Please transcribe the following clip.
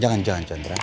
jangan jangan chandra